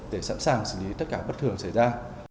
để sẵn sàng xử lý tất cả bất thường xảy ra